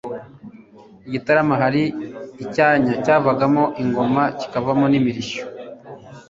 i Gitarama, hari icyanya cyavagamo ingoma kikavamo n'imirishyo.